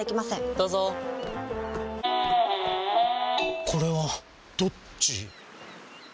どうぞこれはどっち？